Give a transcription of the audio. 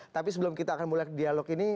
tapi sebelum kita akan mulai dialog ini